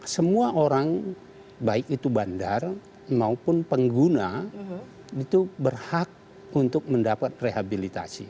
semua orang baik itu bandar maupun pengguna itu berhak untuk mendapat rehabilitasi